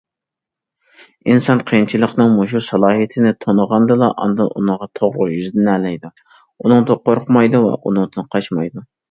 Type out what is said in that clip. ئىنسان قىيىنچىلىقنىڭ مۇشۇ سالاھىيىتىنى تونۇغاندىلا، ئاندىن ئۇنىڭغا توغرا يۈزلىنەلەيدۇ، ئۇنىڭدىن قورقمايدۇ ۋە ئۇنىڭدىن قاچمايدۇ.